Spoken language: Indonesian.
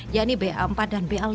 yakni ba empat dan ba lima